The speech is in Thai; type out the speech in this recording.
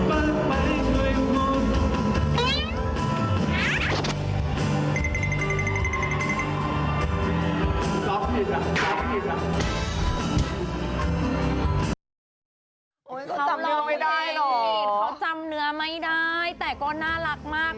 โอ้ยเขาจำเนื้อไม่ได้หรอเขาจำเนื้อไม่ได้แต่ก็น่ารักมาก